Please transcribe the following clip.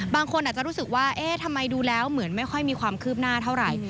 บางคนอาจจะรู้สึกว่าเอ๊ะทำไมดูแล้วเหมือนไม่ค่อยมีความคืบหน้าเท่าไหร่